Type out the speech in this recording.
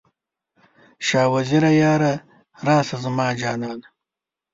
شاه وزیره یاره، راشه زما جانه؟